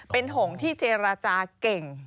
เป็นหงที่เจรจาเก่ง